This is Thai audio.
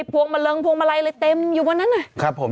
พวงมะเริงพวงมาลัยเลยเต็มอยู่บนนั้น